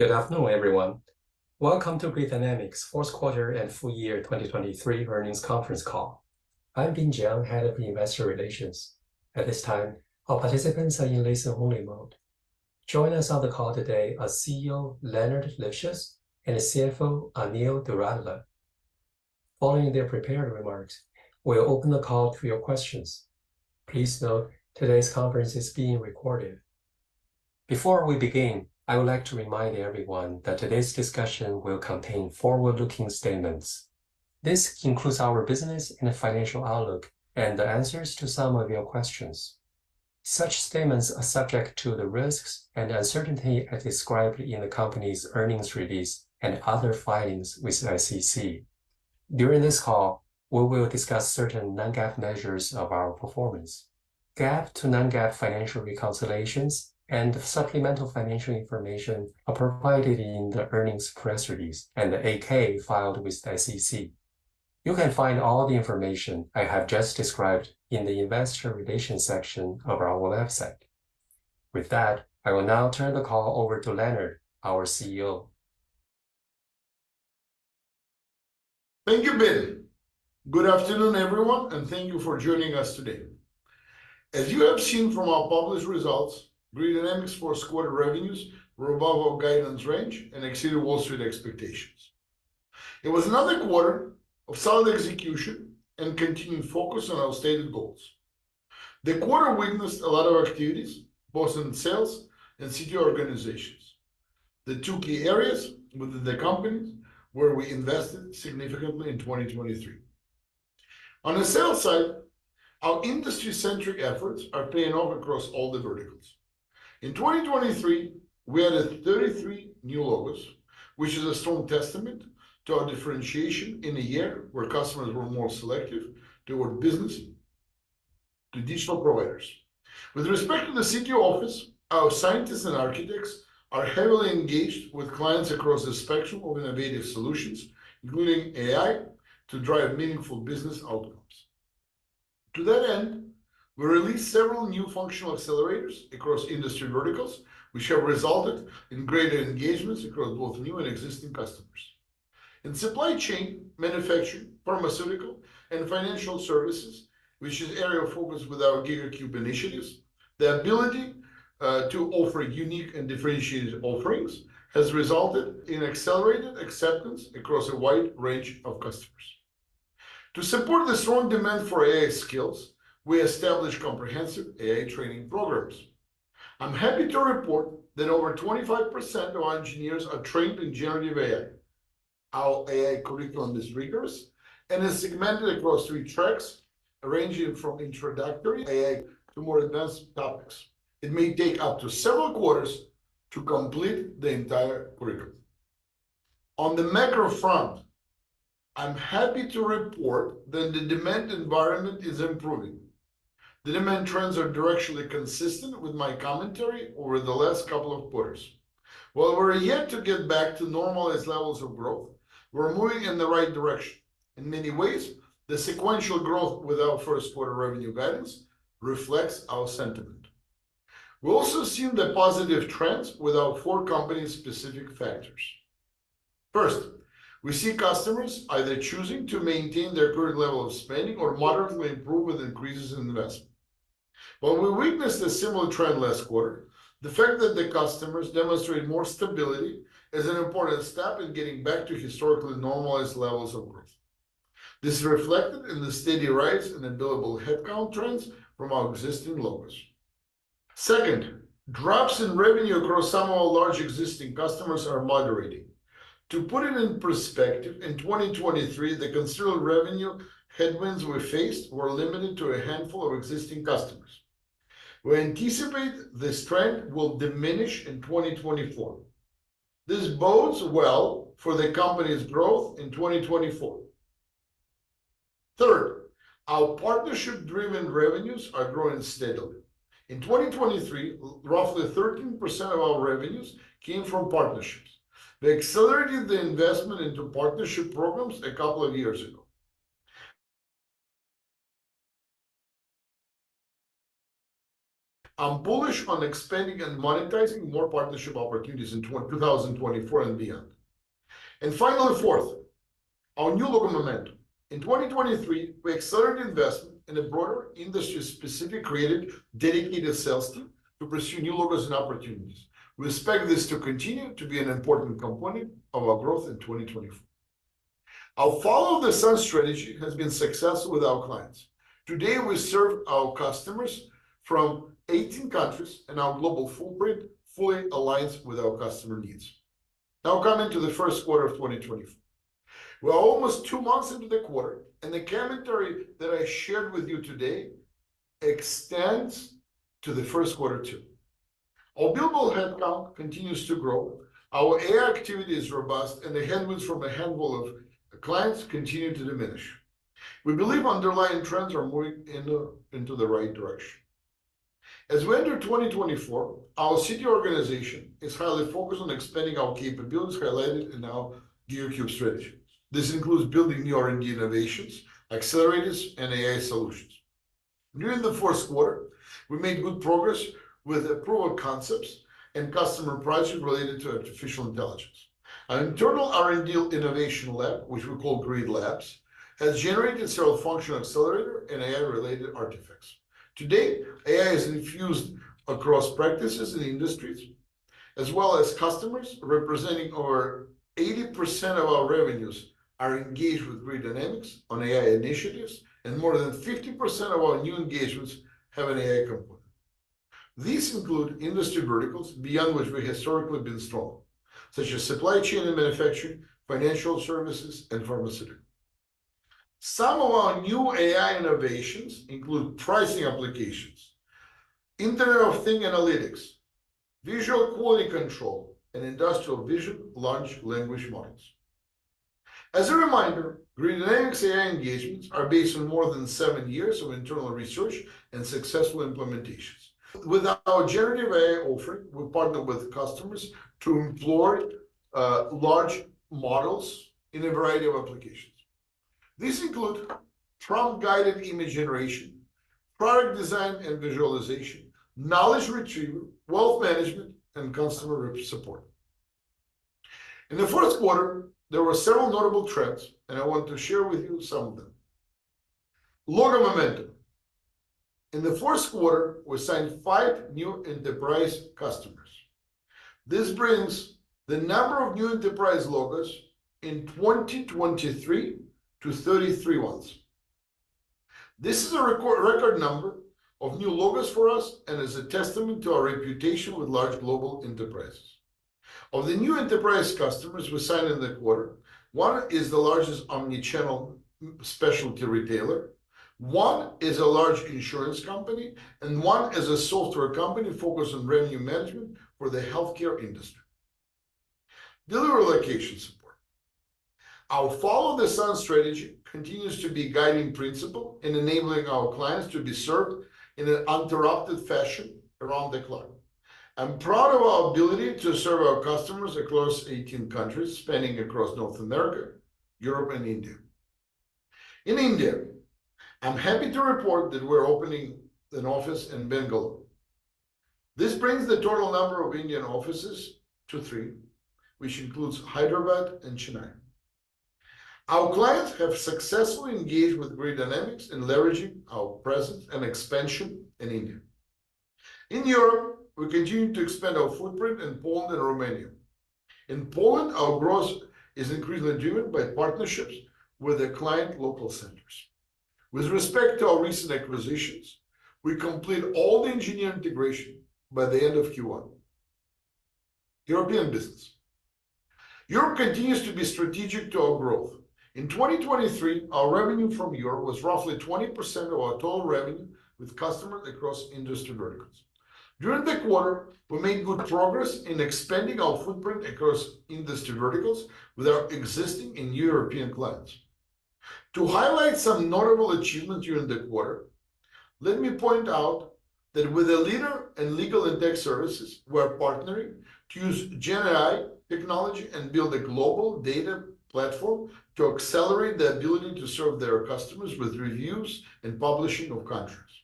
Good afternoon, everyone. Welcome to Grid Dynamics' fourth quarter and full-year 2023 earnings conference call. I'm Bin Jiang, Head of Investor Relations. At this time, our participants are in listen-only mode. Joining us on the call today are CEO Leonard Livschitz and CFO Anil Doradla. Following their prepared remarks, we'll open the call to your questions. Please note, today's conference is being recorded. Before we begin, I would like to remind everyone that today's discussion will contain forward-looking statements. This includes our business and financial outlook and the answers to some of your questions. Such statements are subject to the risks and uncertainties as described in the company's earnings release and other filings with the SEC. During this call, we will discuss certain non-GAAP measures of our performance: GAAP-to-non-GAAP financial reconciliations and supplemental financial information provided in the earnings press release and the 10-K filed with the SEC. You can find all the information I have just described in the investor relations section of our website. With that, I will now turn the call over to Leonard, our CEO. Thank you, Bin. Good afternoon, everyone, and thank you for joining us today. As you have seen from our published results, Grid Dynamics' fourth quarter revenues were above our guidance range and exceeded Wall Street expectations. It was another quarter of solid execution and continued focus on our stated goals. The quarter witnessed a lot of activities, both in sales and CTO organizations. The two key areas within the companies were where we invested significantly in 2023. On the sales side, our industry-centric efforts are paying off across all the verticals. In 2023, we added 33 new logos, which is a strong testament to our differentiation in a year where customers were more selective toward business than digital providers. With respect to the CTO office, our scientists and architects are heavily engaged with clients across the spectrum of innovative solutions, including AI, to drive meaningful business outcomes. To that end, we released several new functional accelerators across industry verticals, which have resulted in greater engagements across both new and existing customers. In supply chain, manufacturing, pharmaceutical, and financial services, which is an area of focus with our GigaCube initiatives, the ability to offer unique and differentiated offerings has resulted in accelerated acceptance across a wide range of customers. To support the strong demand for AI skills, we established comprehensive AI training programs. I'm happy to report that over 25% of our engineers are trained in generative AI. Our AI curriculum is rigorous and is segmented across three tracks, ranging from introductory AI to more advanced topics. It may take up to several quarters to complete the entire curriculum. On the macro front, I'm happy to report that the demand environment is improving. The demand trends are directionally consistent with my commentary over the last couple of quarters. While we're yet to get back to normalized levels of growth, we're moving in the right direction. In many ways, the sequential growth with our first-quarter revenue guidance reflects our sentiment. We've also seen the positive trends with our four companies' specific factors. First, we see customers either choosing to maintain their current level of spending or moderately improve with increases in investment. While we witnessed a similar trend last quarter, the fact that the customers demonstrate more stability is an important step in getting back to historically normalized levels of growth. This is reflected in the steady rise in available headcount trends from our existing logos. Second, drops in revenue across some of our large existing customers are moderating. To put it in perspective, in 2023, the considerable revenue headwinds we faced were limited to a handful of existing customers. We anticipate this trend will diminish in 2024. This bodes well for the company's growth in 2024. Third, our partnership-driven revenues are growing steadily. In 2023, roughly 13% of our revenues came from partnerships. We accelerated the investment into partnership programs a couple of years ago. I'm bullish on expanding and monetizing more partnership opportunities in 2024 and beyond. And finally, fourth, our new logo momentum. In 2023, we accelerated investment in a broader industry-specific created dedicated sales team to pursue new logos and opportunities. We expect this to continue to be an important component of our growth in 2024. Our Follow-the-Sun strategy has been successful with our clients. Today, we serve our customers from 18 countries, and our global footprint fully aligns with our customer needs. Now, coming to the first quarter of 2024. We're almost two months into the quarter, and the commentary that I shared with you today extends to the first quarter too. Our billable headcount continues to grow. Our AI activity is robust, and the headwinds from a handful of clients continue to diminish. We believe underlying trends are moving in the right direction. As we enter 2024, our CTO organization is highly focused on expanding our capabilities highlighted in our GigaCube strategy. This includes building new R&D innovations, accelerators, and AI solutions. During the fourth quarter, we made good progress with proof of concepts and customer pricing related to artificial intelligence. Our internal R&D innovation lab, which we call Grid Labs, has generated several functional accelerators and AI-related artifacts. Today, AI is infused across practices and industries, as well as customers representing over 80% of our revenues are engaged with Grid Dynamics on AI initiatives, and more than 50% of our new engagements have an AI component. These include industry verticals beyond which we've historically been strong, such as supply chain and manufacturing, financial services, and pharmaceuticals. Some of our new AI innovations include pricing applications, Internet of Things analytics, visual quality control, and Industrial Vision large language models. As a reminder, Grid Dynamics' AI engagements are based on more than seven years of internal research and successful implementations. With our Generative AI offering, we partner with customers to employ large models in a variety of applications. These include prompt-guided image generation, product design and visualization, knowledge retrieval, wealth management, and customer support. In the fourth quarter, there were several notable trends, and I want to share with you some of them. Logo momentum. In the fourth quarter, we signed five new enterprise customers. This brings the number of new enterprise logos in 2023 to 33. This is a record number of new logos for us and is a testament to our reputation with large global enterprises. Of the new enterprise customers we signed in the quarter, one is the largest omnichannel specialty retailer, one is a large insurance company, and one is a software company focused on revenue management for the healthcare industry. Delivery location support. Our Follow-the-Sun strategy continues to be a guiding principle in enabling our clients to be served in an uninterrupted fashion around the clock. I'm proud of our ability to serve our customers across 18 countries, spanning across North America, Europe, and India. In India, I'm happy to report that we're opening an office in Bengaluru. This brings the total number of Indian offices to three, which includes Hyderabad and Chennai. Our clients have successfully engaged with Grid Dynamics in leveraging our presence and expansion in India. In Europe, we continue to expand our footprint in Poland and Romania. In Poland, our growth is increasingly driven by partnerships with the client local centers. With respect to our recent acquisitions, we completed all the engineering integration by the end of Q1. European business. Europe continues to be strategic to our growth. In 2023, our revenue from Europe was roughly 20% of our total revenue with customers across industry verticals. During the quarter, we made good progress in expanding our footprint across industry verticals with our existing and European clients. To highlight some notable achievements during the quarter, let me point out that with a leader in legal and tech services, we are partnering to use GenAI technology and build a global data platform to accelerate the ability to serve their customers with reviews and publishing of contracts.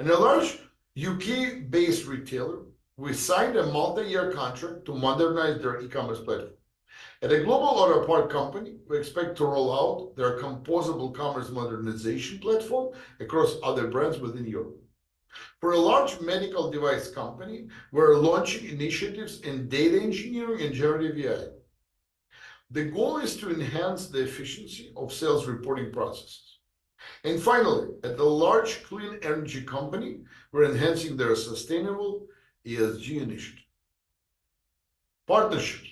In a large U.K.-based retailer, we signed a multi-year contract to modernize their e-commerce platform. At a global auto parts company, we expect to roll out their composable commerce modernization platform across other brands within Europe. For a large medical device company, we are launching initiatives in data engineering and generative AI. The goal is to enhance the efficiency of sales reporting processes. And finally, at a large clean energy company, we're enhancing their sustainable ESG initiative. Partnerships.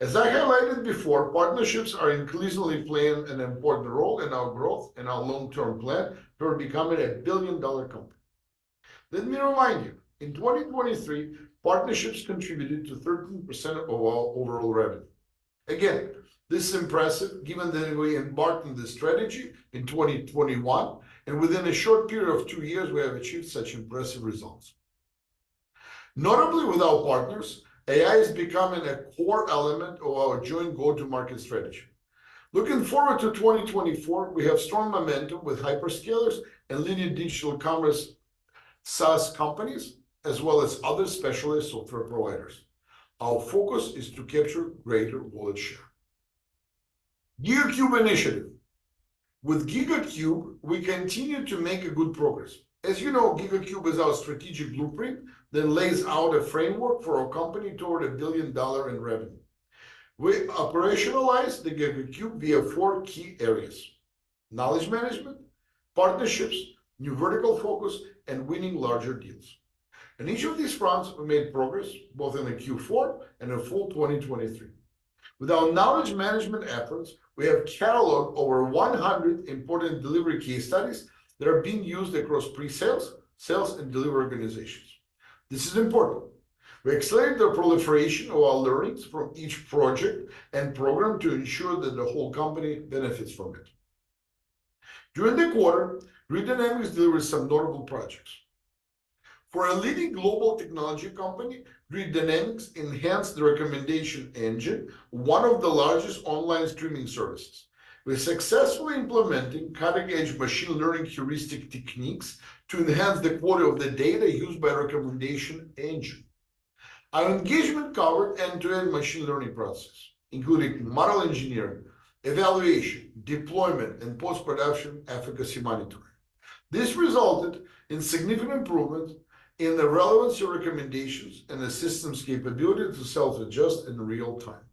As I highlighted before, partnerships are increasingly playing an important role in our growth and our long-term plan for becoming a billion-dollar company. Let me remind you, in 2023, partnerships contributed to 13% of our overall revenue. Again, this is impressive, given that we embarked on this strategy in 2021, and within a short period of two years, we have achieved such impressive results. Notably, with our partners, AI is becoming a core element of our joint go-to-market strategy. Looking forward to 2024, we have strong momentum with hyperscalers and leading digital commerce SaaS companies, as well as other specialized software providers. Our focus is to capture greater wallet share. GigaCube initiative. With GigaCube, we continue to make good progress. As you know, GigaCube is our strategic blueprint that lays out a framework for our company toward $1 billion in revenue. We operationalized the GigaCube via four key areas: knowledge management, partnerships, new vertical focus, and winning larger deals. In each of these fronts, we made progress, both in the Q4 and the full 2023. With our knowledge management efforts, we have cataloged over 100 important delivery case studies that are being used across pre-sales, sales, and delivery organizations. This is important. We accelerate the proliferation of our learnings from each project and program to ensure that the whole company benefits from it. During the quarter, Grid Dynamics delivered some notable projects. For a leading global technology company, Grid Dynamics enhanced the recommendation engine, one of the largest online streaming services, with successfully implementing cutting-edge machine learning heuristic techniques to enhance the quality of the data used by the recommendation engine. Our engagement covered end-to-end machine learning processes, including model engineering, evaluation, deployment, and post-production efficacy monitoring. This resulted in significant improvements in the relevancy of recommendations and the system's capability to self-adjust in real time.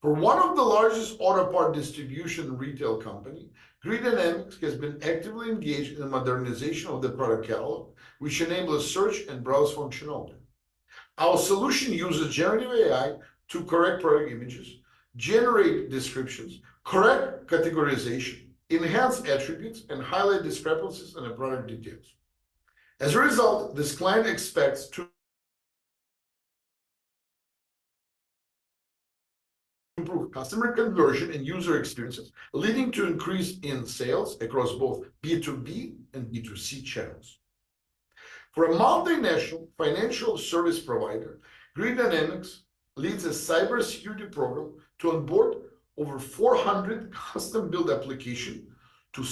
For one of the largest auto parts distribution and retail companies, Grid Dynamics has been actively engaged in the modernization of the product catalog, which enables search and browse functionality. Our solution uses Generative AI to correct product images, generate descriptions, correct categorization, enhance attributes, and highlight discrepancies in product details. As a result, this client expects to improve customer conversion and user experiences, leading to an increase in sales across both B2B and B2C channels. For a multinational financial service provider, Grid Dynamics leads a cybersecurity program to onboard over 400 custom-built applications to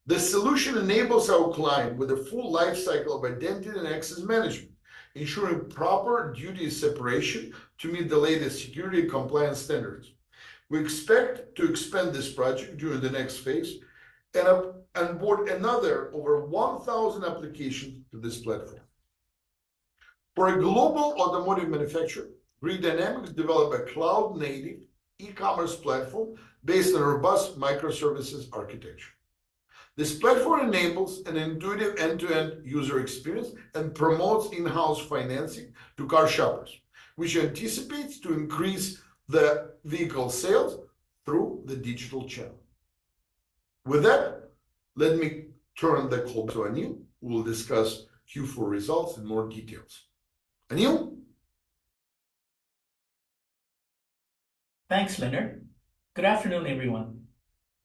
the SailPoint IdentityIQ platform. This solution enables our client with a full lifecycle of identity and access management, ensuring proper duties separation to meet the latest security and compliance standards. We expect to expand this project during the next phase and onboard another over 1,000 applications to this platform. For a global automotive manufacturer, Grid Dynamics developed a cloud-native e-commerce platform based on a robust microservices architecture. This platform enables an intuitive end-to-end user experience and promotes in-house financing to car shoppers, which anticipates increasing vehicle sales through the digital channel. With that, let me turn the call to Anil. We'll discuss Q4 results in more details. Anil? Thanks, Leonard. Good afternoon, everyone.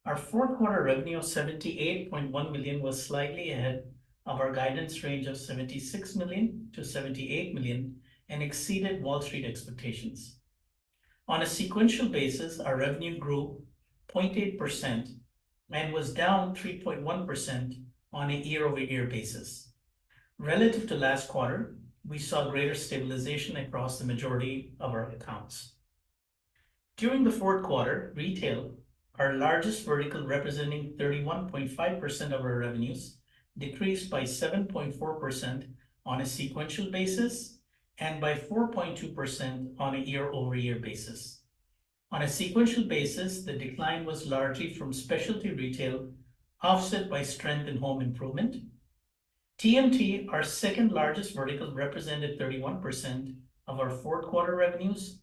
Our fourth quarter revenue of $78.1 million was slightly ahead of our guidance range of $76 million-$78 million and exceeded Wall Street expectations. On a sequential basis, our revenue grew 0.8% and was down 3.1% on a year-over-year basis. Relative to last quarter, we saw greater stabilization across the majority of our accounts. During the fourth quarter, retail, our largest vertical representing 31.5% of our revenues, decreased by 7.4% on a sequential basis and by 4.2% on a year-over-year basis. On a sequential basis, the decline was largely from specialty retail, offset by strength in home improvement. TMT, our second largest vertical representing 31% of our fourth quarter revenues,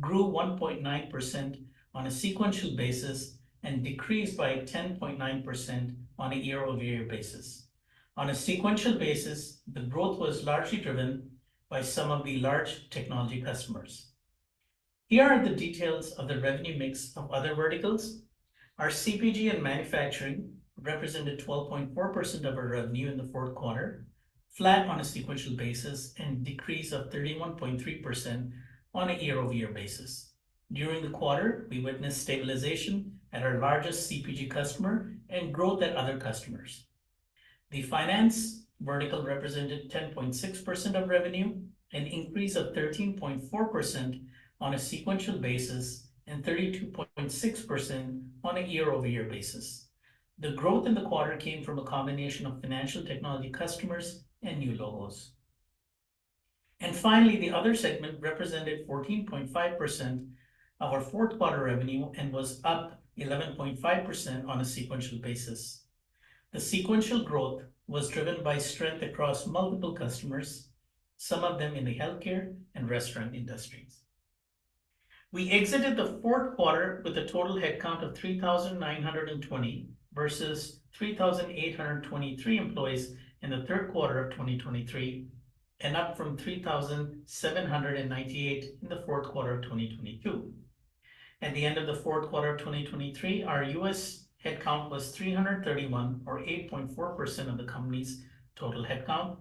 grew 1.9% on a sequential basis and decreased by 10.9% on a year-over-year basis. On a sequential basis, the growth was largely driven by some of the large technology customers. Here are the details of the revenue mix of other verticals. Our CPG and manufacturing represented 12.4% of our revenue in the fourth quarter, flat on a sequential basis and a decrease of 31.3% on a year-over-year basis. During the quarter, we witnessed stabilization at our largest CPG customer and growth at other customers. The finance vertical represented 10.6% of revenue, an increase of 13.4% on a sequential basis, and 32.6% on a year-over-year basis. The growth in the quarter came from a combination of financial technology customers and new logos. And finally, the other segment represented 14.5% of our fourth quarter revenue and was up 11.5% on a sequential basis. The sequential growth was driven by strength across multiple customers, some of them in the healthcare and restaurant industries. We exited the fourth quarter with a total headcount of 3,920 versus 3,823 employees in the third quarter of 2023, and up from 3,798 in the fourth quarter of 2022. At the end of the fourth quarter of 2023, our U.S. headcount was 331, or 8.4% of the company's total headcount.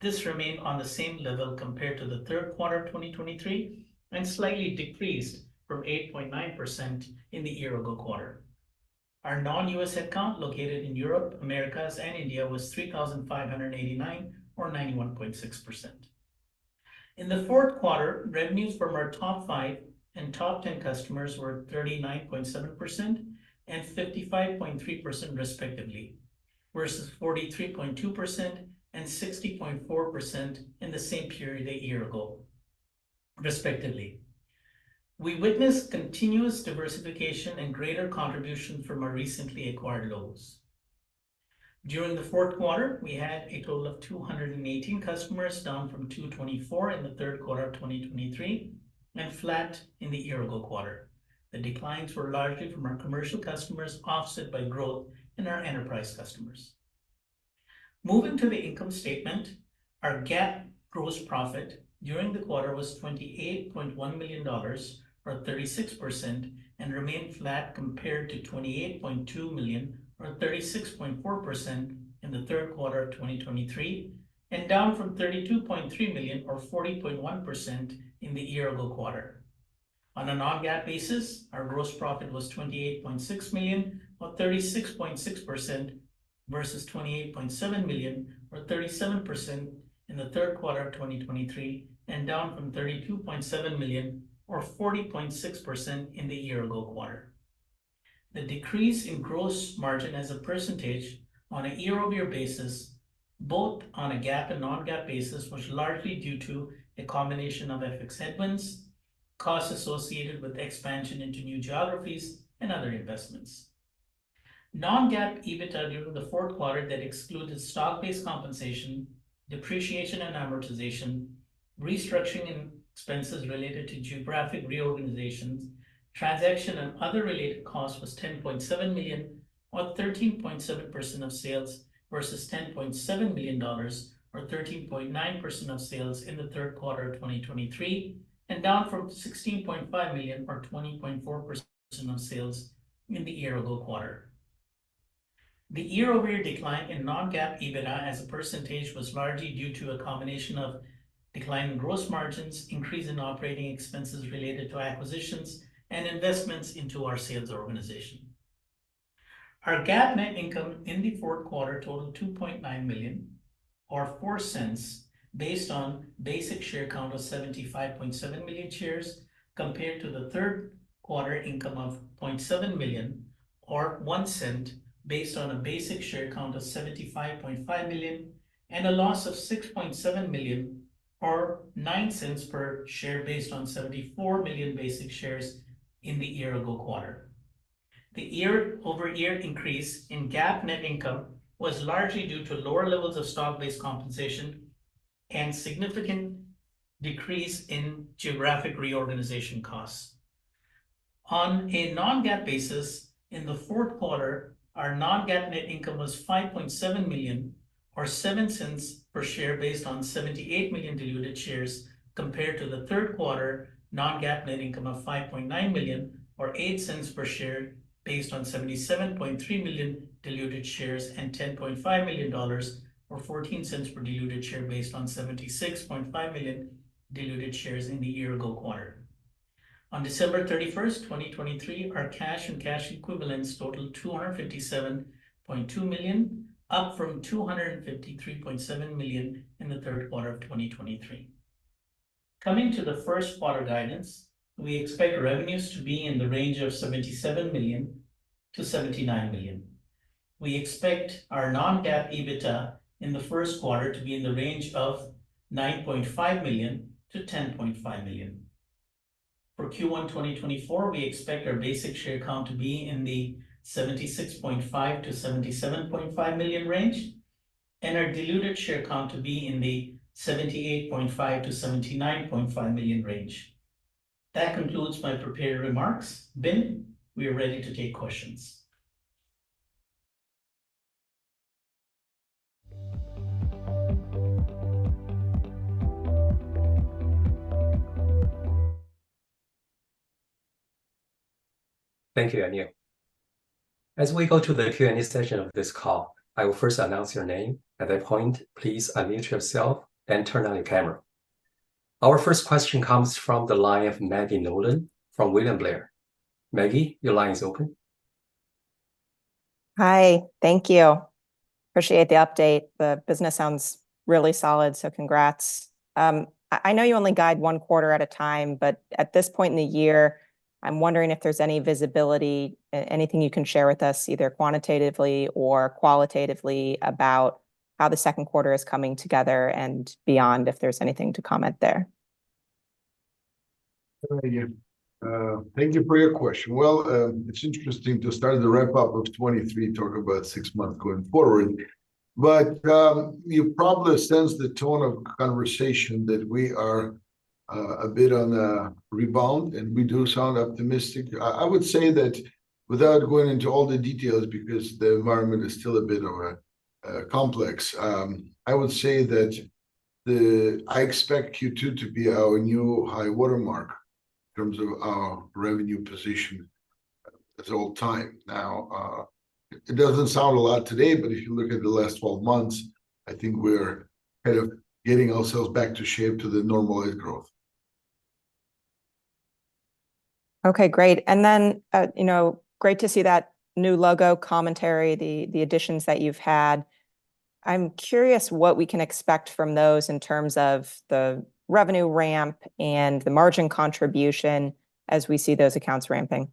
This remained on the same level compared to the third quarter of 2023 and slightly decreased from 8.9% in the year-over-year. Our non-U.S. headcount, located in Europe, Americas, and India, was 3,589, or 91.6%. In the fourth quarter, revenues from our top five and top 10 customers were 39.7% and 55.3%, respectively, versus 43.2% and 60.4% in the same period a year ago, respectively. We witnessed continuous diversification and greater contribution from our recently acquired logos. During the fourth quarter, we had a total of 218 customers, down from 224 in the third quarter of 2023 and flat year-over-year. The declines were largely from our commercial customers, offset by growth in our enterprise customers. Moving to the income statement, our GAAP gross profit during the quarter was $28.1 million, or 36%, and remained flat compared to $28.2 million, or 36.4%, in the third quarter of 2023, and down from $32.3 million, or 40.1%, year-over-year. On a non-GAAP basis, our gross profit was $28.6 million, or 36.6%, versus $28.7 million, or 37%, in the third quarter of 2023, and down from $32.7 million, or 40.6%, in the year-ago quarter. The decrease in gross margin as a percentage on a year-over-year basis, both on a GAAP and non-GAAP basis, was largely due to a combination of FX headwinds, costs associated with expansion into new geographies, and other investments. Non-GAAP EBITDA during the fourth quarter excluded stock-based compensation, depreciation and amortization, restructuring and expenses related to geographic reorganizations. Transaction and other related costs were $10.7 million, or 13.7% of sales, versus $10.7 million, or 13.9% of sales in the third quarter of 2023, and down from $16.5 million, or 20.4% of sales in the year-ago quarter. The year-over-year decline in Non-GAAP EBITDA as a percentage was largely due to a combination of declining gross margins, increase in operating expenses related to acquisitions, and investments into our sales organization. Our GAAP net income in the fourth quarter totaled $2.9 million, or $0.04, based on a basic share count of 75.7 million shares, compared to the third quarter income of $0.7 million, or $0.01, based on a basic share count of 75.5 million, and a loss of $6.7 million, or $0.09 per share, based on 74 million basic shares in the year-ago quarter. The year-over-year increase in GAAP net income was largely due to lower levels of stock-based compensation and a significant decrease in geographic reorganization costs. On a non-GAAP basis, in the fourth quarter, our non-GAAP net income was $5.7 million, or $0.07 per share, based on 78 million diluted shares, compared to the third quarter non-GAAP net income of $5.9 million, or $0.08 per share, based on 77.3 million diluted shares and $10.5 million, or $0.14 per diluted share, based on 76.5 million diluted shares in the year-ago quarter. On December 31, 2023, our cash and cash equivalents totaled $257.2 million, up from $253.7 million in the third quarter of 2023. Coming to the first quarter guidance, we expect revenues to be in the range of $77 million-$79 million. We expect our non-GAAP EBITDA in the first quarter to be in the range of $9.5 million-$10.5 million. For Q1 2024, we expect our basic share count to be in the $76.5 million-$77.5 million range, and our diluted share count to be in the $78.5 million-$79.5 million range. That concludes my prepared remarks. Bin, we are ready to take questions. Thank you, Anil. As we go to the Q&A session of this call, I will first announce your name. At that point, please unmute yourself and turn on your camera. Our first question comes from the line of Maggie Nolan from William Blair. Maggie, your line is open. Hi. Thank you. Appreciate the update. The business sounds really solid, so congrats. I know you only guide one quarter at a time, but at this point in the year, I'm wondering if there's any visibility, anything you can share with us, either quantitatively or qualitatively, about how the second quarter is coming together and beyond, if there's anything to comment there? Thank you for your question. Well, it's interesting to start the wrap-up of 2023, talk about six months going forward. But you probably sense the tone of conversation that we are a bit on a rebound, and we do sound optimistic. I would say that without going into all the details, because the environment is still a bit complex, I would say that I expect Q2 to be our new high watermark in terms of our revenue position of all time. Now, it doesn't sound a lot today, but if you look at the last 12 months, I think we're kind of getting ourselves back to shape, to the normalized growth. Okay, great. Then, you know, great to see that new logo commentary, the additions that you've had. I'm curious what we can expect from those in terms of the revenue ramp and the margin contribution as we see those accounts ramping.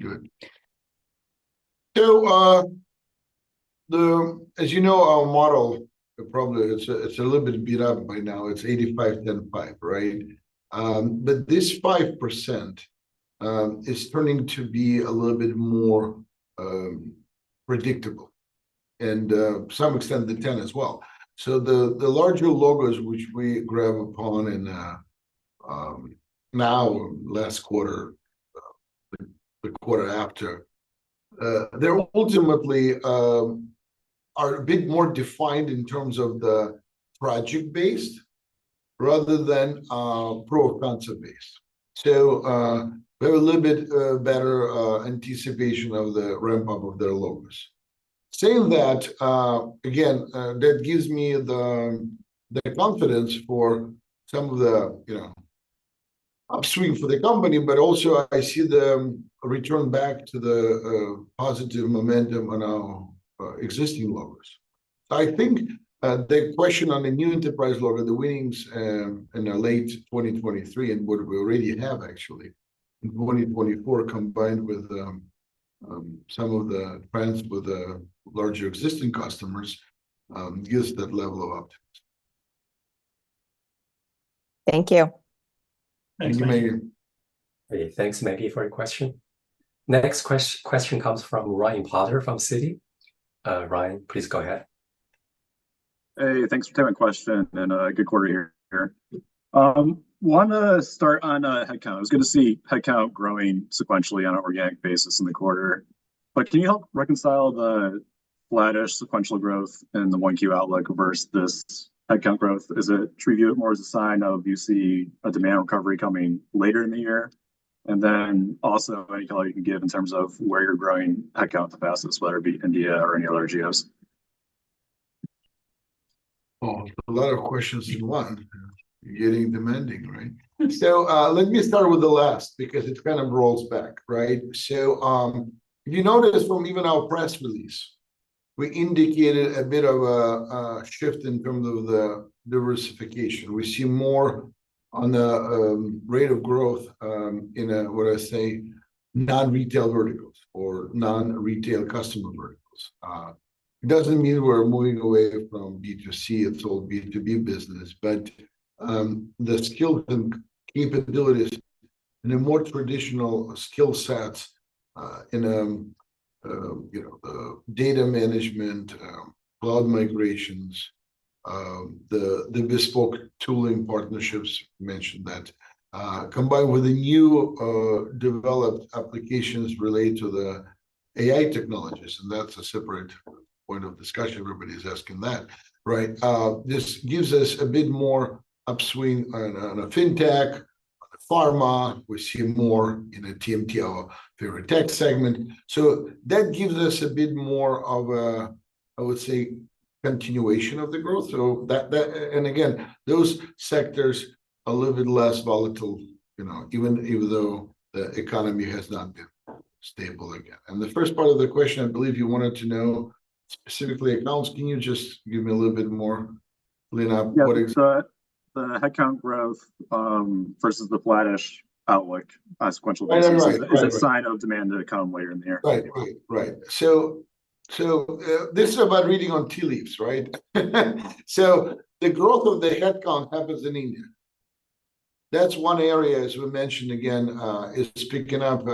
Good. So, as you know, our model, probably it's a little bit beat up by now. It's 85/10/5, right? But this 5% is turning to be a little bit more predictable, and to some extent, the 10% as well. So the larger logos, which we grab upon now, last quarter, the quarter after, they ultimately are a bit more defined in terms of the project-based rather than proof of concept-based. So we have a little bit better anticipation of the ramp-up of their logos. Saying that, again, that gives me the confidence for some of the upstream for the company, but also I see the return back to the positive momentum on our existing logos. I think the question on the new enterprise logos, the wins in late 2023 and what we already have, actually, in 2024, combined with some of the trends with larger existing customers, gives that level of optimism. Thank you. Thanks, Maggie. Thanks, Maggie. Thanks, Maggie, for your question. Next question comes from Ryan Potter from Citi. Ryan, please go ahead. Hey, thanks for taking my question, and good quarter here. Want to start on headcount. I was going to see headcount growing sequentially on an organic basis in the quarter. But can you help reconcile the flattish sequential growth in the 1Q outlook versus this headcount growth? Is it to be treated more as a sign that you see a demand recovery coming later in the year? And then also, any color you can give in terms of where you're growing headcount the fastest, whether it be India or any other geos? A lot of questions in one. You're getting demanding, right? So let me start with the last because it kind of rolls back, right? So if you notice from even our press release, we indicated a bit of a shift in terms of the diversification. We see more on the rate of growth in, what I say, non-retail verticals or non-retail customer verticals. It doesn't mean we're moving away from B2C. It's all B2B business. But the skills and capabilities in the more traditional skill sets in the data management, cloud migrations, the bespoke tooling partnerships mentioned that, combined with the new developed applications related to the AI technologies - and that's a separate point of discussion. Everybody's asking that, right? - this gives us a bit more upstream on a fintech, on pharma. We see more in a TMT, our favorite tech segment. So that gives us a bit more of a, I would say, continuation of the growth. And again, those sectors, a little bit less volatile, even though the economy has not been stable again. And the first part of the question, I believe you wanted to know specifically accounts. Can you just give me a little bit more, Ryan? Yeah. So the headcount growth versus the flattish outlook on a sequential basis, is it a sign of demand to come later in the year? Right, right, right. So this is about reading tea leaves, right? So the growth of the headcount happens in India. That's one area, as we mentioned again, is picking up.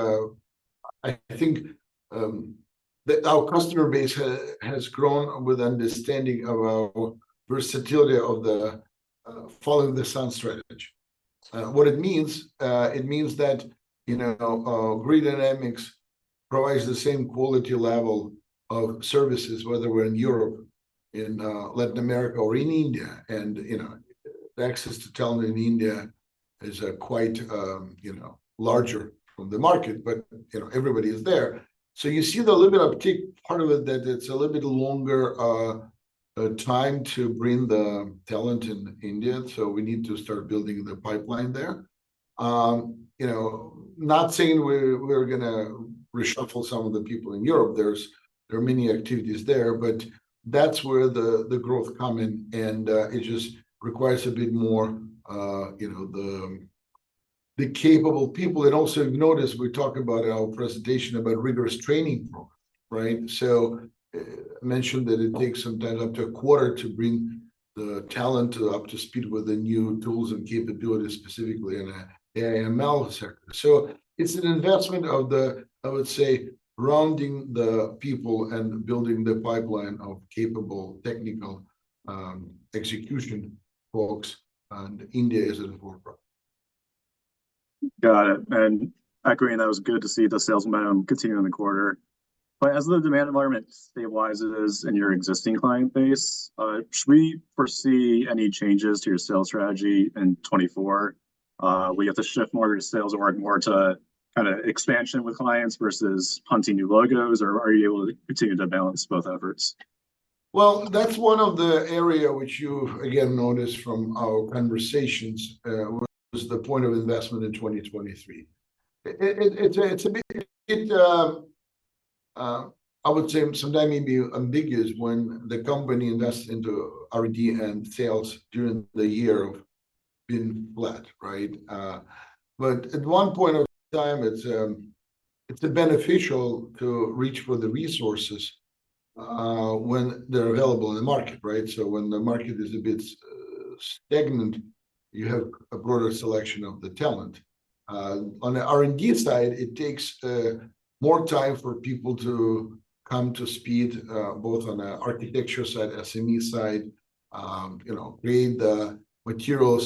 I think our customer base has grown with understanding of our versatility of the Follow-the-Sun strategy. What it means, it means that Grid Dynamics provides the same quality level of services, whether we're in Europe, in Latin America, or in India. And access to talent in India is quite larger from the market, but everybody is there. So you see the little bit of tricky part of it that it's a little bit longer time to bring the talent in India. So we need to start building the pipeline there. Not saying we're going to reshuffle some of the people in Europe. There are many activities there. But that's where the growth comes in. It just requires a bit more the capable people. Also, you notice we talk about our presentation about rigorous training programs, right? So I mentioned that it takes sometimes up to a quarter to bring the talent up to speed with the new tools and capabilities, specifically in the AI/ML sector. So it's an investment of the, I would say, rounding the people and building the pipeline of capable technical execution folks. India is a forefront. Got it. And agreeing, that was good to see the sales momentum continuing in the quarter. But as the demand environment stabilizes in your existing client base, should we foresee any changes to your sales strategy in 2024? Will you have to shift more of your sales or work more to kind of expansion with clients versus hunting new logos, or are you able to continue to balance both efforts? Well, that's one of the areas which you, again, noticed from our conversations was the point of investment in 2023. It's a bit, I would say, sometimes maybe ambiguous when the company invests into R&D and sales during the year of being flat, right? But at one point of time, it's beneficial to reach for the resources when they're available in the market, right? So when the market is a bit stagnant, you have a broader selection of the talent. On the R&D side, it takes more time for people to come to speed, both on the architecture side, SME side, create the materials,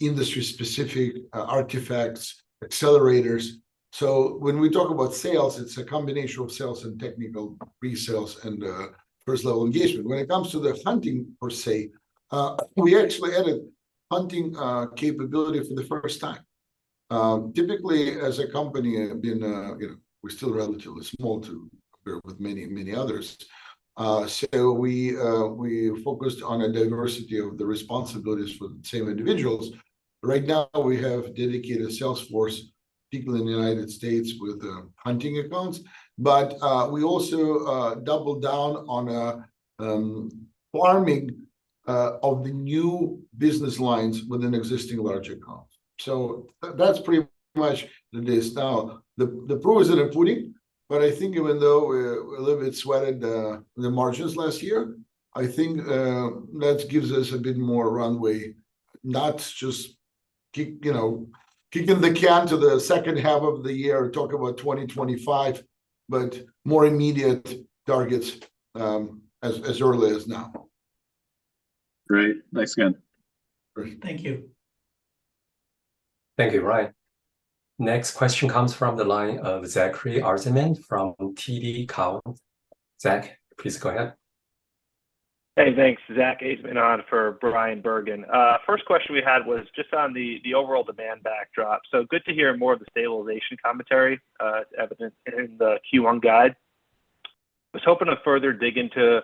industry-specific artifacts, accelerators. So when we talk about sales, it's a combination of sales and technical resales and first-level engagement. When it comes to the hunting, per se, we actually added hunting capability for the first time. Typically, as a company, we're still relatively small to compare with many, many others. So we focused on a diversity of the responsibilities for the same individuals. Right now, we have dedicated sales force people in the United States with hunting accounts. But we also doubled down on farming of the new business lines within existing large accounts. So that's pretty much the days now. The proof is in the pudding. But I think even though we're a little bit sweated in the margins last year, I think that gives us a bit more runway, not just kicking the can to the second half of the year, talk about 2025, but more immediate targets as early as now. Great. Thanks, again. Thank you. Thank you, Ryan. Next question comes from the line of Zachary Ajzenman from TD Cowen. Zach, please go ahead. Hey, thanks. Zach Ajzenman on for Bryan Bergin. First question we had was just on the overall demand backdrop. So good to hear more of the stabilization commentary evident in the Q1 guide. I was hoping to further dig into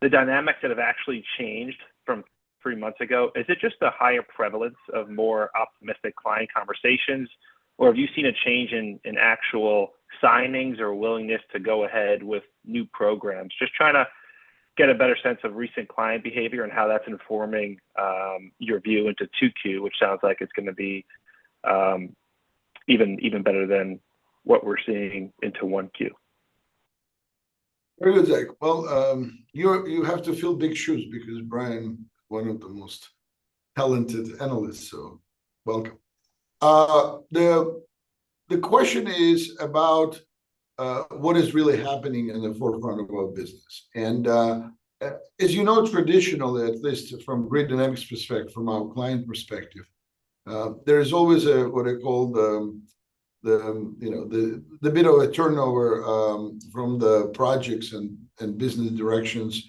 the dynamics that have actually changed from three months ago. Is it just the higher prevalence of more optimistic client conversations, or have you seen a change in actual signings or willingness to go ahead with new programs? Just trying to get a better sense of recent client behavior and how that's informing your view into 2Q, which sounds like it's going to be even better than what we're seeing into 1Q. Very good, Zach. Well, you have to fill big shoes because Bryan is one of the most talented analysts, so welcome. The question is about what is really happening in the forefront of our business. As you know, traditionally, at least from Grid Dynamics perspective, from our client perspective, there is always what I call the bit of a turnover from the projects and business directions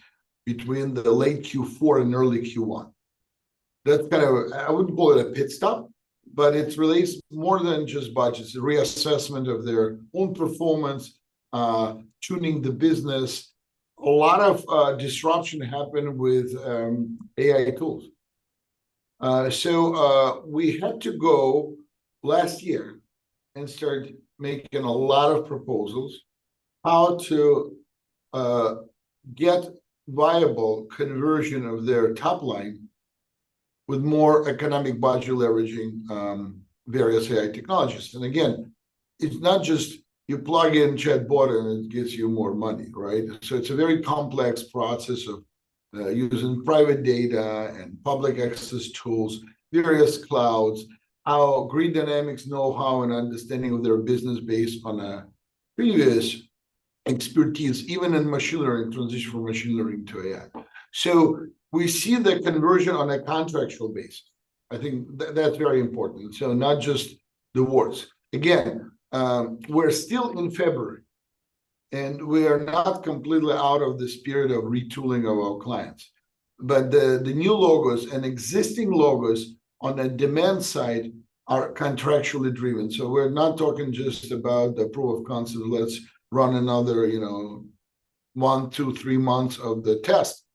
between the late Q4 and early Q1. That's kind of, I wouldn't call it a pit stop, but it's really more than just budgets. It's a reassessment of their own performance, tuning the business. A lot of disruption happened with AI tools. We had to go last year and start making a lot of proposals how to get viable conversion of their top line with more economic budget leveraging various AI technologies. And again, it's not just you plug in chatbot and it gives you more money, right? So it's a very complex process of using private data and public access tools, various clouds, our Grid Dynamics know-how and understanding of their business based on a previous expertise, even in machine learning, transition from machine learning to AI. So we see the conversion on a contractual basis. I think that's very important. So not just the words. Again, we're still in February, and we are not completely out of this period of retooling of our clients. But the new logos and existing logos on the demand side are contractually driven. So we're not talking just about the proof of concept. Let's run another one, two, three months of the test.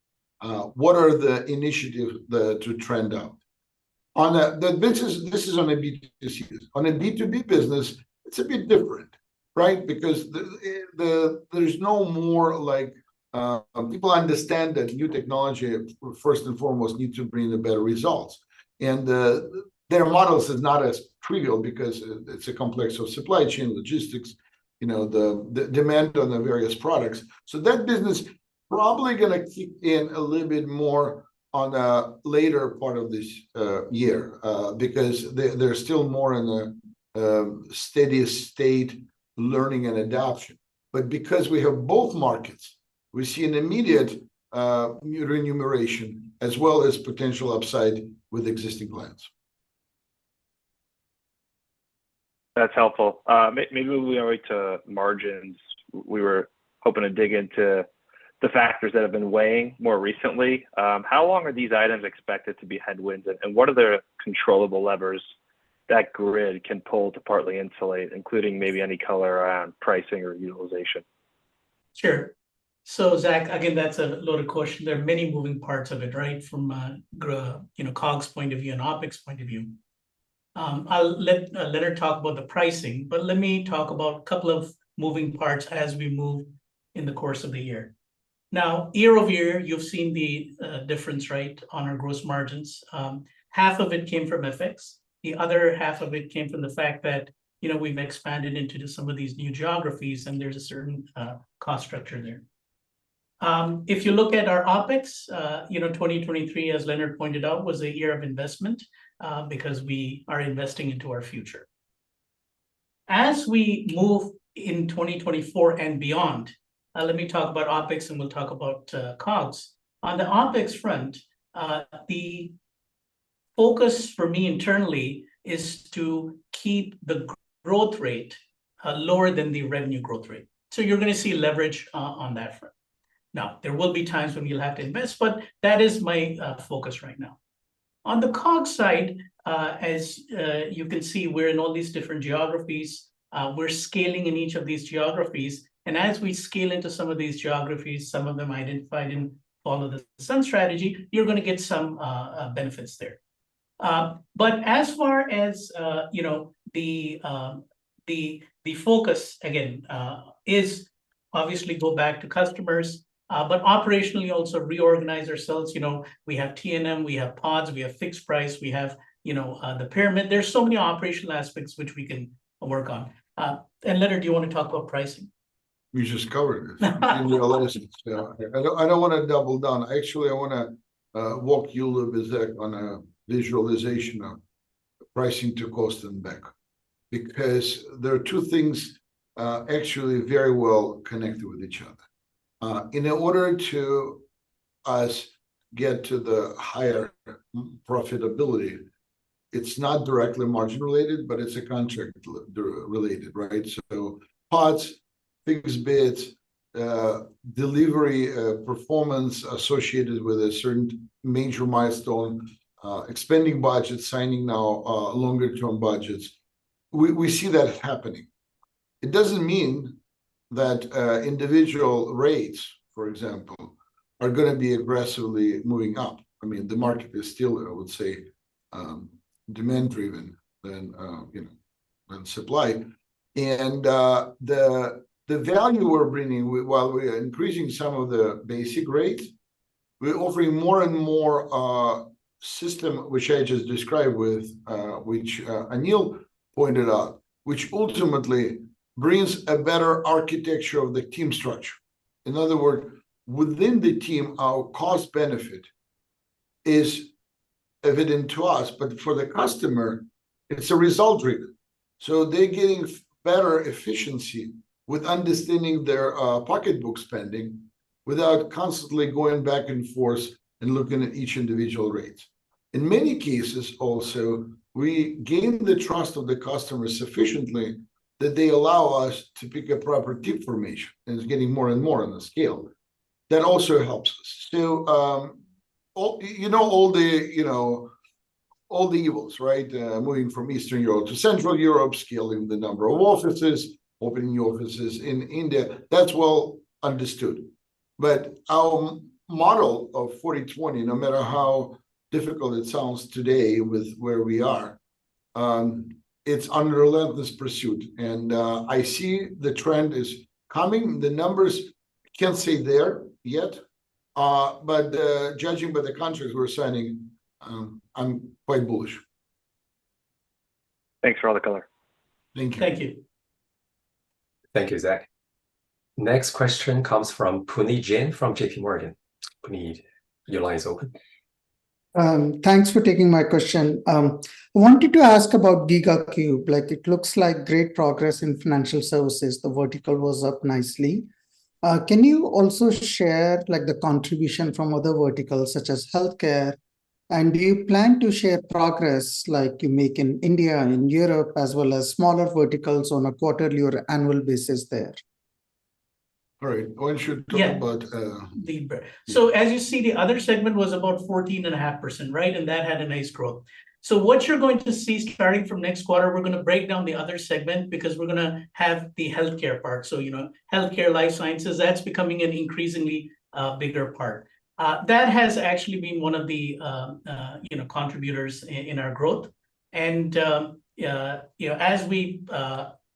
What are the initiatives to trend out? This is on a B2C use. On a B2B business, it's a bit different, right? Because there's no more like people understand that new technology, first and foremost, needs to bring the better results. Their models are not as trivial because it's a complex of supply chain, logistics, the demand on the various products. That business is probably going to kick in a little bit more on a later part of this year because there's still more in a steady state learning and adoption. Because we have both markets, we see an immediate remuneration as well as potential upside with existing clients. That's helpful. Maybe we'll wait to margins. We were hoping to dig into the factors that have been weighing more recently. How long are these items expected to be headwinds? What are the controllable levers that Grid can pull to partly insulate, including maybe any color on pricing or utilization? Sure. So Zach, again, that's a loaded question. There are many moving parts of it, right, from COGS point of view and OPEX point of view. I'll let her talk about the pricing. But let me talk about a couple of moving parts as we move in the course of the year. Now, year-over-year, you've seen the difference, right, on our gross margins. Half of it came from FX. The other half of it came from the fact that we've expanded into some of these new geographies, and there's a certain cost structure there. If you look at our OPEX, 2023, as Leonard pointed out, was a year of investment because we are investing into our future. As we move in 2024 and beyond, let me talk about OPEX, and we'll talk about COGS. On the OpEx front, the focus for me internally is to keep the growth rate lower than the revenue growth rate. So you're going to see leverage on that front. Now, there will be times when you'll have to invest, but that is my focus right now. On the COGS side, as you can see, we're in all these different geographies. We're scaling in each of these geographies. And as we scale into some of these geographies, some of them identified in Follow-the-Sun strategy, you're going to get some benefits there. But as far as the focus, again, is obviously go back to customers, but operationally also reorganize ourselves. We have T&M. We have pods. We have fixed price. We have the pyramid. There's so many operational aspects which we can work on. And Leonard, do you want to talk about pricing? We just covered this. I don't want to double down. Actually, I want to walk you a little bit, Zach, on a visualization of pricing to cost and back because there are two things actually very well connected with each other. In order to get to the higher profitability, it's not directly margin-related, but it's contract-related, right? So pods, fixed bids, delivery performance associated with a certain major milestone, expanding budgets, signing now longer-term budgets. We see that happening. It doesn't mean that individual rates, for example, are going to be aggressively moving up. I mean, the market is still, I would say, demand-driven than supply. And the value we're bringing, while we are increasing some of the basic rates, we're offering more and more systems, which I just described with, which Anil pointed out, which ultimately brings a better architecture of the team structure. In other words, within the team, our cost-benefit is evident to us. But for the customer, it's a result-driven. So they're getting better efficiency with understanding their pocketbook spending without constantly going back and forth and looking at each individual rate. In many cases also, we gain the trust of the customers sufficiently that they allow us to pick a proper tip formation. And it's getting more and more on the scale. That also helps us. So you know all the evils, right, moving from Eastern Europe to Central Europe, scaling the number of offices, opening new offices in India. That's well understood. But our model of 2020, no matter how difficult it sounds today with where we are, it's an unrelenting pursuit. And I see the trend is coming. The numbers can't say they're yet. But judging by the contracts we're signing, I'm quite bullish. Thanks for all the color. Thank you. Thank you. Thank you, Zach. Next question comes from Puneet Jain from JPMorgan. Puneet, your line is open. Thanks for taking my question. I wanted to ask about GigaCube. It looks like great progress in financial services. The vertical was up nicely. Can you also share the contribution from other verticals, such as healthcare? And do you plan to share progress like you make in India, in Europe, as well as smaller verticals on a quarterly or annual basis there? All right. Anil should talk about. Yeah. So as you see, the other segment was about 14.5%, right? And that had a nice growth. So what you're going to see starting from next quarter, we're going to break down the other segment because we're going to have the healthcare part. So healthcare, life sciences, that's becoming an increasingly bigger part. That has actually been one of the contributors in our growth. And as we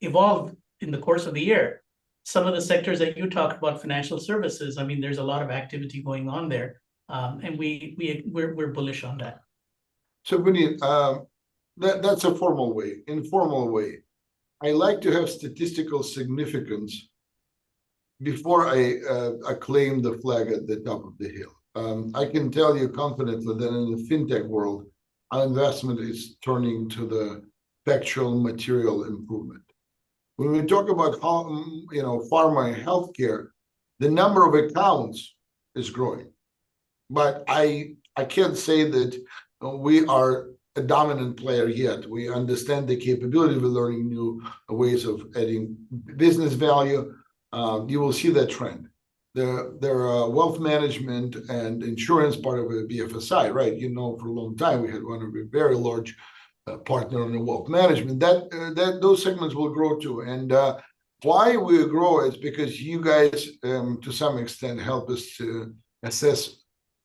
evolve in the course of the year, some of the sectors that you talked about, financial services, I mean, there's a lot of activity going on there. And we're bullish on that. So, Puneet, that's a formal way. Informal way. I like to have statistical significance before I claim the flag at the top of the hill. I can tell you confidently that in the fintech world, our investment is turning to the factual material improvement. When we talk about pharma and healthcare, the number of accounts is growing. But I can't say that we are a dominant player yet. We understand the capability. We're learning new ways of adding business value. You will see that trend. The wealth management and insurance part of a BFSI, right? You know for a long time, we had one of the very large partners in wealth management. Those segments will grow too. And why we grow is because you guys, to some extent, helped us to assess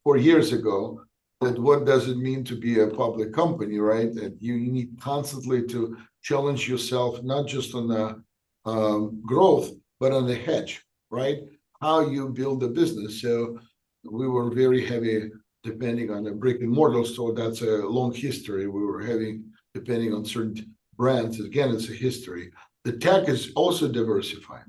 four years ago that what does it mean to be a public company, right? That you need constantly to challenge yourself, not just on the growth, but on the hedge, right? How you build a business. So we were very heavy depending on a brick and mortar. So that's a long history. We were heavy depending on certain brands. Again, it's a history. The tech is also diversifying.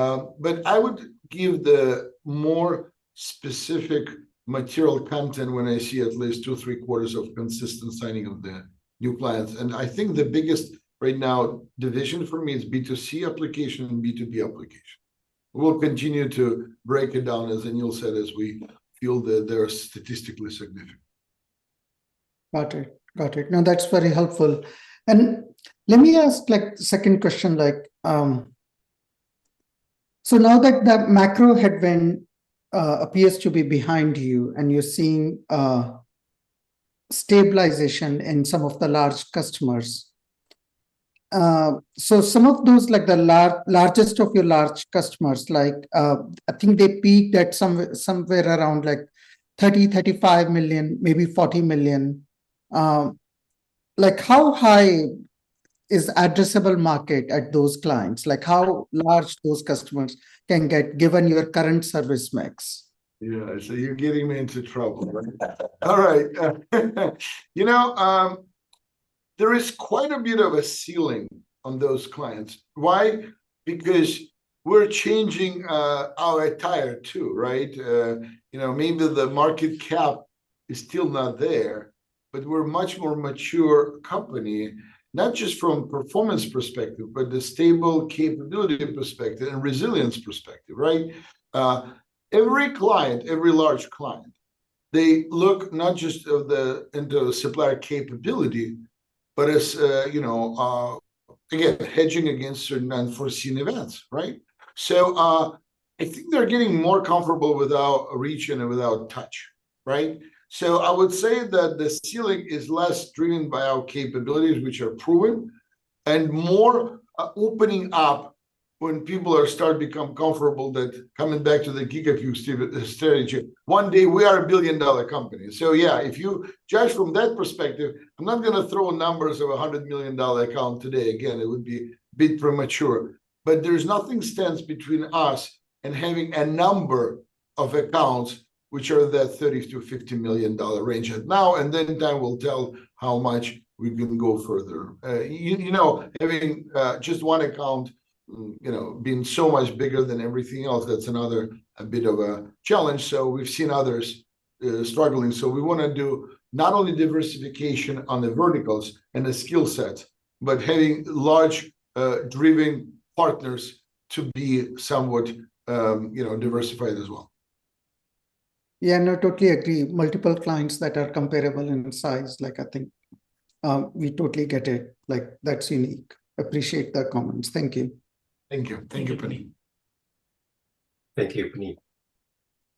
But I would give the more specific material content when I see at least 2-3 quarters of consistent signing of the new clients. And I think the biggest right now division for me is B2C application and B2B application. We'll continue to break it down, as Anil said, as we feel that they're statistically significant. Got it. Got it. No, that's very helpful. Let me ask the second question. So now that the macro headwind appears to be behind you and you're seeing stabilization in some of the large customers, so some of those, the largest of your large customers, I think they peaked at somewhere around $30 million-$35 million, maybe $40 million. How high is the addressable market at those clients? How large those customers can get, given your current service mix? Yeah. So you're getting me into trouble, right? All right. You know there is quite a bit of a ceiling on those clients. Why? Because we're changing our attire too, right? Maybe the market cap is still not there, but we're a much more mature company, not just from a performance perspective, but the stable capability perspective and resilience perspective, right? Every client, every large client, they look not just into supplier capability, but as, again, hedging against certain unforeseen events, right? So I think they're getting more comfortable with our region and without touch, right? So I would say that the ceiling is less driven by our capabilities, which are proven, and more opening up when people start to become comfortable that coming back to the GigaCube strategy. One day, we are a billion-dollar company. So yeah, if you judge from that perspective, I'm not going to throw numbers of a $100 million account today. Again, it would be a bit premature. But there's nothing that stands between us and having a number of accounts, which are in that $30 million-$50 million range at now. And then time will tell how much we can go further. Having just one account being so much bigger than everything else, that's another bit of a challenge. So we've seen others struggling. So we want to do not only diversification on the verticals and the skill sets, but having large-driven partners to be somewhat diversified as well. Yeah. No, totally agree. Multiple clients that are comparable in size, I think we totally get it. That's unique. Appreciate the comments. Thank you. Thank you. Thank you, Puneet. Thank you, Puneet.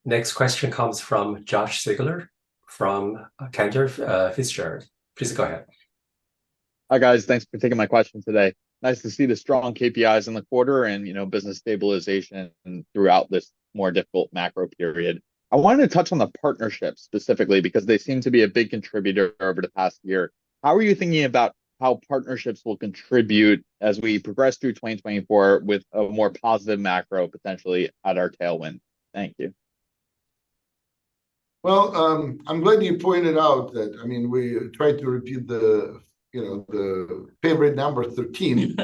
Next question comes from Josh Siegler from Cantor Fitzgerald. Please go ahead. Hi, guys. Thanks for taking my question today. Nice to see the strong KPIs in the quarter and business stabilization throughout this more difficult macro period. I wanted to touch on the partnerships specifically because they seem to be a big contributor over the past year. How are you thinking about how partnerships will contribute as we progress through 2024 with a more positive macro, potentially, at our tailwind? Thank you. Well, I'm glad you pointed out that. I mean, we tried to repeat the favorite number, 13,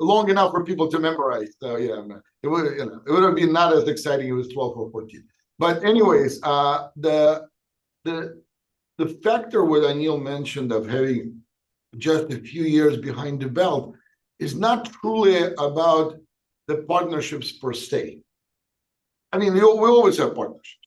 long enough for people to memorize. So yeah, it would have been not as exciting if it was 12 or 14. But anyways, the factor what Anil mentioned of having just a few years behind the belt is not truly about the partnerships per se. I mean, we always have partnerships.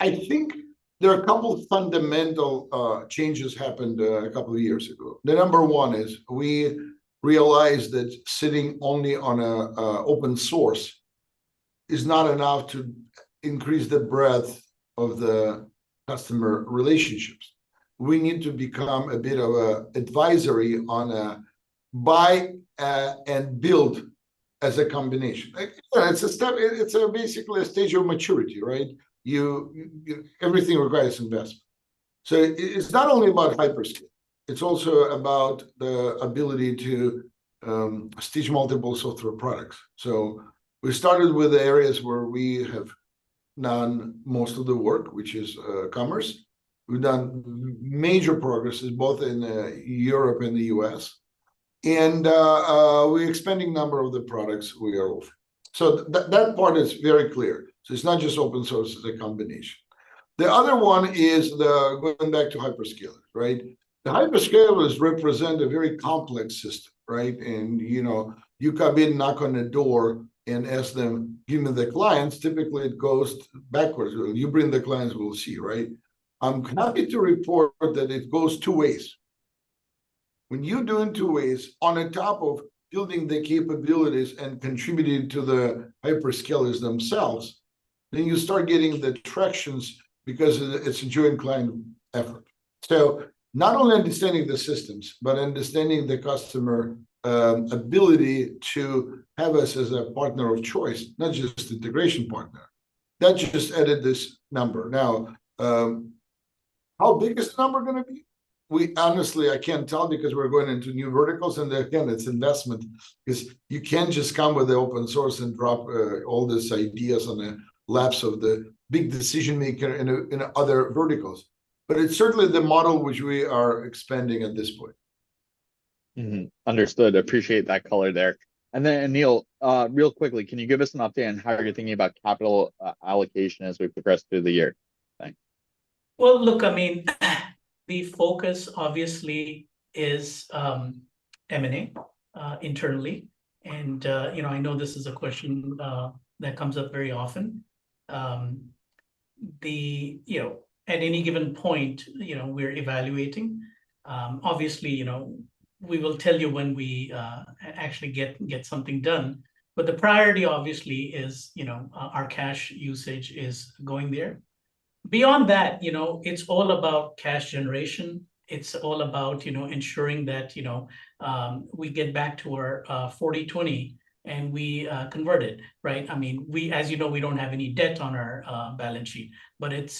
I think there are a couple of fundamental changes that happened a couple of years ago. The number one is we realized that sitting only on open source is not enough to increase the breadth of the customer relationships. We need to become a bit of an advisory on a buy and build as a combination. It's basically a stage of maturity, right? Everything requires investment. So it's not only about hyperscale. It's also about the ability to stage multiples of three products. So we started with the areas where we have done most of the work, which is commerce. We've done major progress both in Europe and the U.S. And we're expanding the number of the products we are offering. So that part is very clear. So it's not just open source as a combination. The other one is going back to hyperscalers, right? The hyperscalers represent a very complex system, right? And you come in, knock on the door, and ask them, "Give me the clients." Typically, it goes backwards. You bring the clients, we'll see, right? I'm happy to report that it goes two ways. When you're doing two ways on top of building the capabilities and contributing to the hyperscalers themselves, then you start getting the traction because it's a joint client effort. So not only understanding the systems, but understanding the customer ability to have us as a partner of choice, not just integration partner. That just added this number. Now, how big is the number going to be? Honestly, I can't tell because we're going into new verticals. And again, it's investment because you can't just come with the open source and drop all these ideas on the laps of the big decision-maker in other verticals. But it's certainly the model which we are expanding at this point. Understood. Appreciate that color there. And then, Anil, real quickly, can you give us an update on how you're thinking about capital allocation as we progress through the year? Thanks. Well, look, I mean, the focus, obviously, is M&A internally. I know this is a question that comes up very often. At any given point, we're evaluating. Obviously, we will tell you when we actually get something done. The priority, obviously, is our cash usage is going there. Beyond that, it's all about cash generation. It's all about ensuring that we get back to our 2020 and we converted, right? I mean, as you know, we don't have any debt on our balance sheet.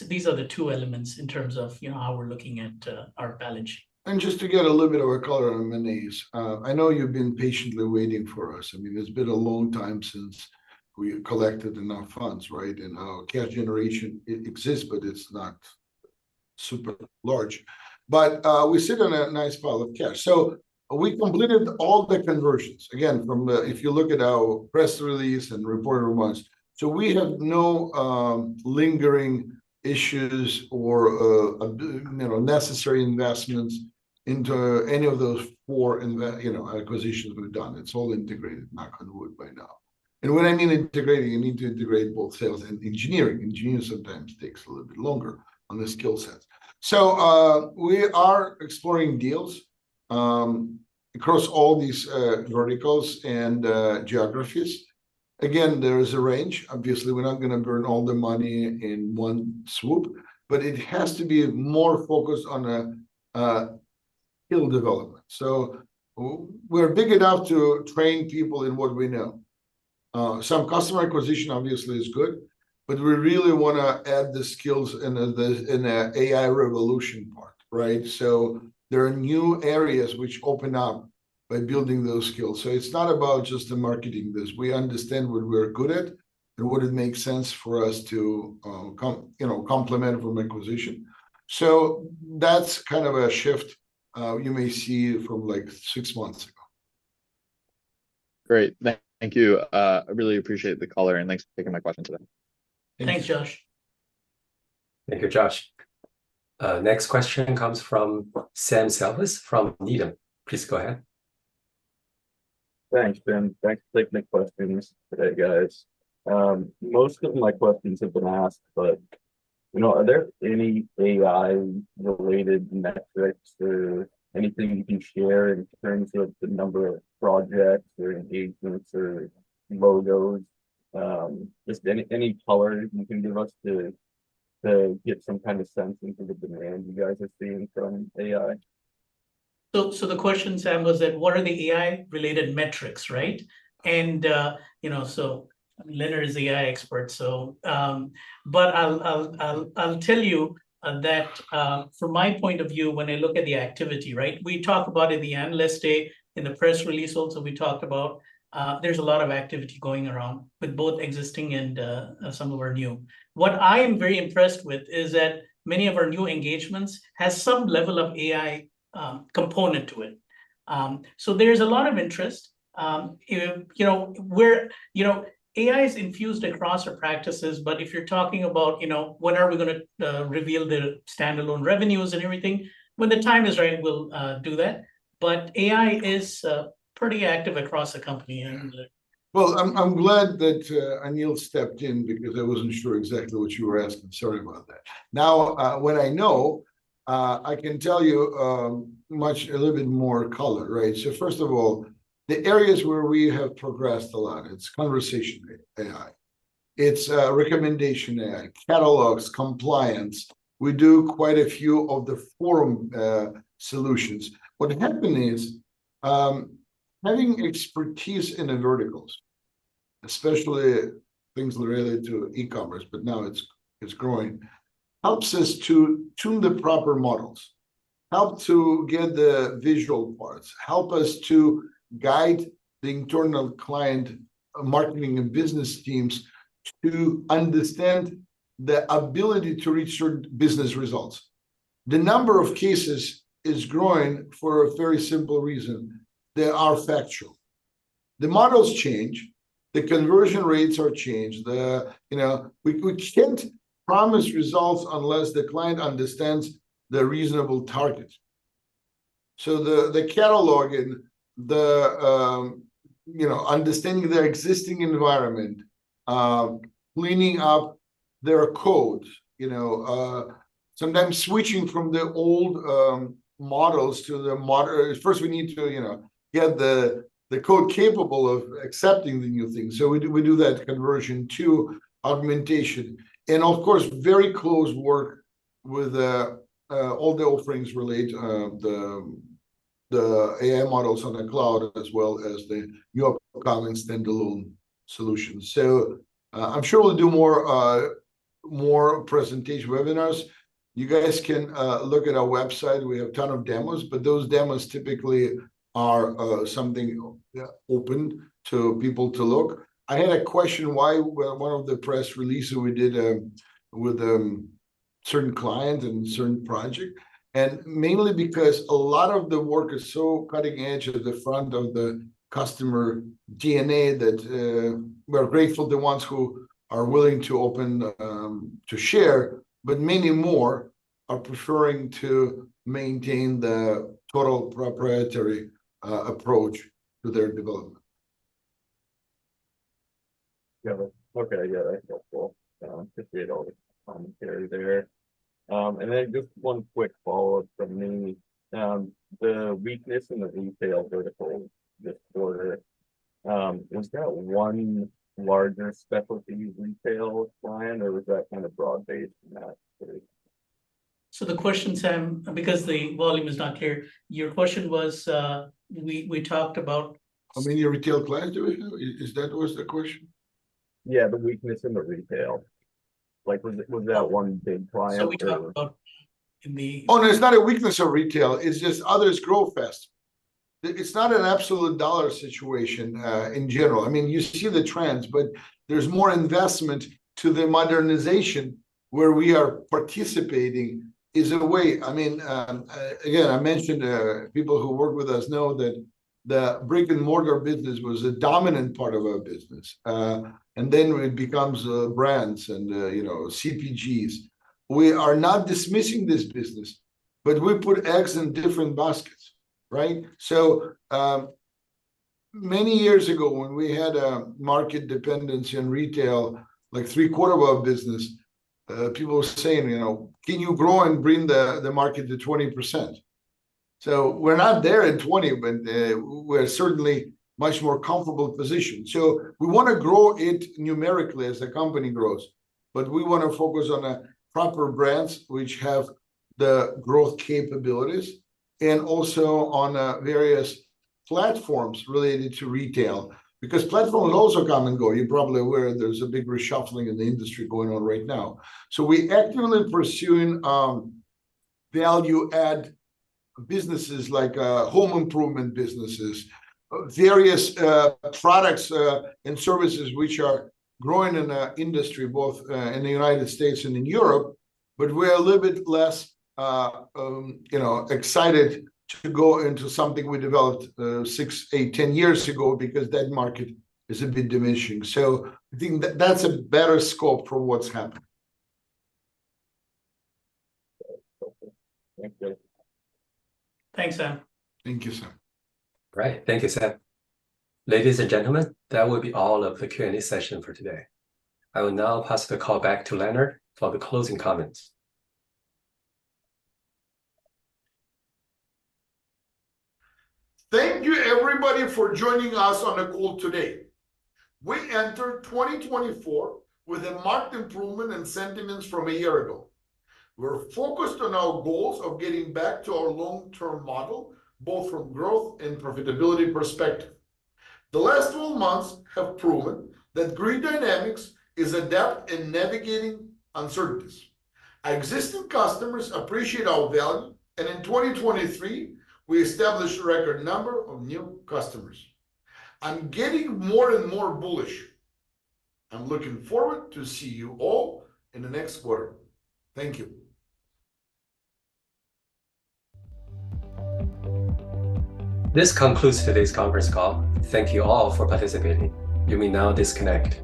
These are the two elements in terms of how we're looking at our balance sheet. And just to get a little bit of a color on M&As, I know you've been patiently waiting for us. I mean, it's been a long time since we collected enough funds, right, and how cash generation exists, but it's not super large. But we sit on a nice pile of cash. So we completed all the conversions. Again, if you look at our press release and report remarks, so we have no lingering issues or necessary investments into any of those four acquisitions we've done. It's all integrated, knock on wood, by now. And when I mean integrating, you need to integrate both sales and engineering. Engineering sometimes takes a little bit longer on the skill sets. So we are exploring deals across all these verticals and geographies. Again, there is a range. Obviously, we're not going to burn all the money in one swoop. It has to be more focused on skill development. We're big enough to train people in what we know. Some customer acquisition, obviously, is good. But we really want to add the skills in the AI revolution part, right? There are new areas which open up by building those skills. It's not about just the marketing business. We understand what we're good at and what it makes sense for us to complement from acquisition. That's kind of a shift you may see from six months ago. Great. Thank you. I really appreciate the color. And thanks for taking my question today. Thanks, Josh. Thank you, Josh. Next question comes from Sam Salvas from Needham. Please go ahead. Thanks, Bin. Thanks for taking the questions today, guys. Most of my questions have been asked, but are there any AI-related metrics or anything you can share in terms of the number of projects or engagements or logos? Just any color you can give us to get some kind of sense into the demand you guys are seeing from AI? So the question, Sam, was that what are the AI-related metrics, right? And so Leonard is the AI expert. But I'll tell you that from my point of view, when I look at the activity, right, we talk about it in the analyst day, in the press release also, we talked about there's a lot of activity going around with both existing and some of our new. What I am very impressed with is that many of our new engagements have some level of AI component to it. So there's a lot of interest. AI is infused across our practices. But if you're talking about when are we going to reveal the standalone revenues and everything, when the time is right, we'll do that. But AI is pretty active across the company. Well, I'm glad that Anil stepped in because I wasn't sure exactly what you were asking. Sorry about that. Now, what I know, I can tell you a little bit more color, right? So first of all, the areas where we have progressed a lot, it's conversation AI. It's recommendation AI, catalogs, compliance. We do quite a few of the forum solutions. What happened is having expertise in the verticals, especially things related to e-commerce, but now it's growing, helps us to tune the proper models, help to get the visual parts, help us to guide the internal client marketing and business teams to understand the ability to reach certain business results. The number of cases is growing for a very simple reason. They are factual. The models change. The conversion rates are changed. We can't promise results unless the client understands the reasonable target. So the catalog and understanding their existing environment, cleaning up their codes, sometimes switching from the old models to the first, we need to get the code capable of accepting the new things. So we do that conversion to augmentation. And of course, very close work with all the offerings related to the AI models on the cloud as well as the new upcoming standalone solutions. So I'm sure we'll do more presentation webinars. You guys can look at our website. We have a ton of demos. But those demos typically are something open to people to look. I had a question why one of the press releases we did with certain clients and certain projects, and mainly because a lot of the work is so cutting edge at the front of the customer D&A that we're grateful to the ones who are willing to share, but many more are preferring to maintain the total proprietary approach to their development. Yeah. Okay. Yeah. That's helpful. I appreciate all the commentary there. And then just one quick follow-up from me. The weakness in the retail vertical this quarter, was that one larger specialty retail client, or was that kind of broad-based in that space? So, the question, Sam, because the volume is not clear, your question was we talked about. How many retail clients do we have? Is that what was the question? Yeah. The weakness in the retail. Was that one big client? We talked about in the. Oh, no. It's not a weakness of retail. It's just others grow fast. It's not an absolute dollar situation in general. I mean, you see the trends, but there's more investment to the modernization where we are participating, in a way. I mean, again, I mentioned people who work with us know that the brick-and-mortar business was a dominant part of our business. And then it becomes brands and CPGs. We are not dismissing this business, but we put eggs in different baskets, right? So many years ago, when we had a market dependency on retail, like three-quarters of our business, people were saying, "Can you grow and bring the market to 20%?" So we're not there at 20, but we're certainly in a much more comfortable position. So we want to grow it numerically as the company grows. We want to focus on proper brands which have the growth capabilities and also on various platforms related to retail because platforms also come and go. You're probably aware there's a big reshuffling in the industry going on right now. We're actively pursuing value-add businesses like home improvement businesses, various products and services which are growing in the industry, both in the United States and in Europe. But we're a little bit less excited to go into something we developed 6, 8, 10 years ago because that market is a bit diminishing. I think that's a better scope for what's happening. Thank you. Thanks, Sam. Thank you, Sam. Great. Thank you, Sam. Ladies and gentlemen, that will be all of the Q&A session for today. I will now pass the call back to Leonard for the closing comments. Thank you, everybody, for joining us on the call today. We entered 2024 with a marked improvement in sentiments from a year ago. We're focused on our goals of getting back to our long-term model, both from growth and profitability perspective. The last 12 months have proven that Grid Dynamics is adept in navigating uncertainties. Our existing customers appreciate our value. And in 2023, we established a record number of new customers. I'm getting more and more bullish. I'm looking forward to seeing you all in the next quarter. Thank you. This concludes today's conference call. Thank you all for participating. You may now disconnect.